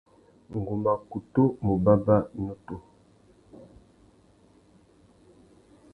Ngu mà kutu mù bàbà nutu.